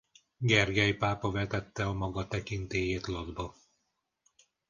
Gergely pápa vetette a maga tekintélyét latba.